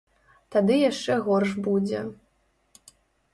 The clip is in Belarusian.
Тады яшчэ горш будзе.